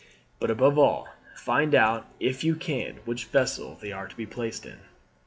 But above all, find out, if you can, which vessel they are to be placed in.